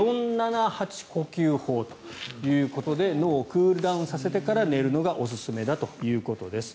４７８呼吸法ということで脳をクールダウンさせてから寝るのがおすすめだということです。